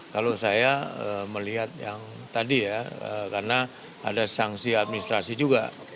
kalau saya melihat yang tadi ya karena ada sanksi administrasi juga